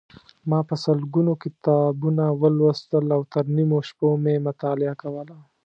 ما په سلګونو کتابونه ولوستل او تر نیمو شپو مې مطالعه کوله.